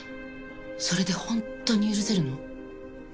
それでホントに許せるの？